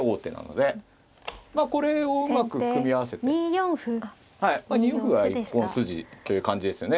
やっぱり２四歩が一本筋という感じですよね